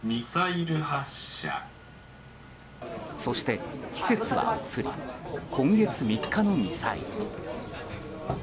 そして季節は移り今月３日のミサイル。